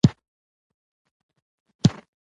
په مشورتي لویه جرګه کې مې د ماشومتوب ټولې خاطرې یادې شوې.